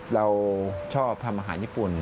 เราชอบทำอาหารญี่ปุ่น